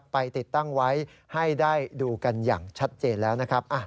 ไปติดตั้งไว้ให้ได้ดูกันอย่างชัดเจนแล้วนะครับ